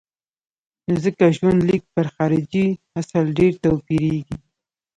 نو ځکه ژوندلیک پر خارجي اصل ډېر توپیرېږي.